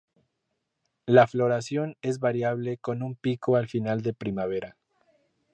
La floración es variable con un pico al final de primavera.